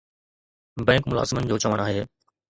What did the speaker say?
bank ملازمن جو چوڻ آهي